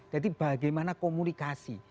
jadi bagaimana komunikasi